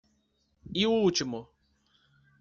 E o último?